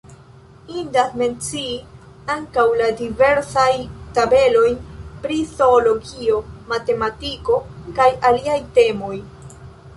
Indas mencii ankaŭ la diversajn tabelojn pri zoologio, matematiko kaj aliaj temoj.